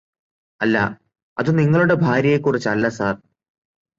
അല്ല അതു നിങ്ങളുടെ ഭാര്യെക്കുറിച്ചല്ല സര്